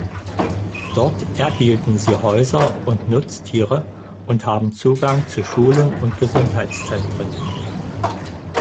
Dort erhielten sie Häuser und Nutztiere und haben Zugang zu Schulen und Gesundheitszentren.